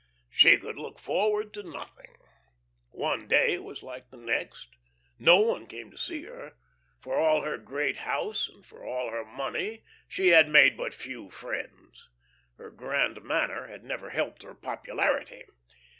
She could look forward to nothing. One day was like the next. No one came to see her. For all her great house and for all her money, she had made but few friends. Her "grand manner" had never helped her popularity.